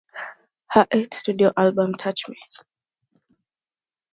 Her eighth studio album, Touch Me!